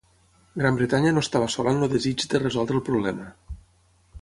Gran Bretanya no estava sola en el desig de resoldre el problema.